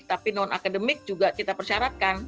tapi non akademik juga kita persyaratkan